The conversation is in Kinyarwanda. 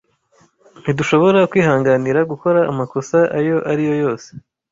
Ntidushobora kwihanganira gukora amakosa ayo ari yo yose.